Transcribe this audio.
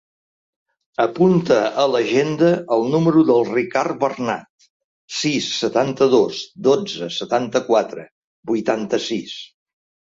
Apunta a l'agenda el número del Ricard Bernat: sis, setanta-dos, dotze, setanta-quatre, vuitanta-sis.